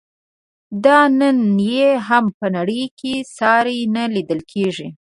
دا نن یې هم په نړۍ کې ساری نه لیدل کیږي.